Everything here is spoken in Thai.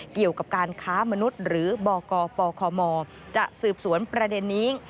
เกี่ยวกับการค้ามนุษย์หรือบกปคมจะสืบสวนประเด็นนี้